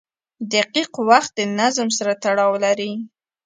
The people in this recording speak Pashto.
• دقیق وخت د نظم سره تړاو لري.